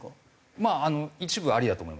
まあ一部ありだと思います。